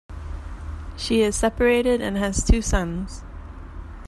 She is separated and has two sons.